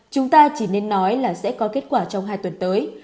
chúng ta chỉ nên nói là sẽ có kết quả trong hai tuần tới